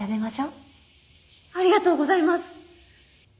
ありがとうございます。